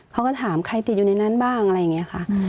เขาก็ถามใครติดอยู่ในนั้นบ้างอะไรอย่างนี้ค่ะ